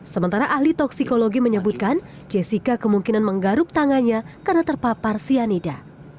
sementara ahli toksikologi menyebutkan jessica kemungkinan menggaruk tangannya karena terpapar cyanida